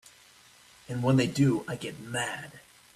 And when they do I get mad.